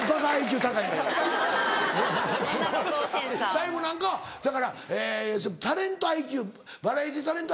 ＤＡＩＧＯなんかはだからえタレントＩＱバラエティータレント